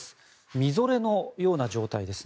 みぞれのような状態ですね。